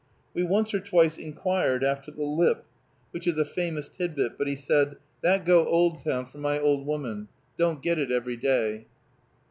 We once or twice inquired after the lip, which is a famous tidbit, but he said, "That go Oldtown for my old woman; don't get it every day."